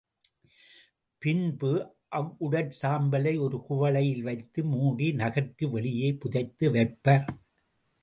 பின்பு அவ்வுடற் சாம்பலை ஒரு குவளையில் வைத்து மூடி, நகர்க்கு வெளியே புதைத்து வைப்பர்.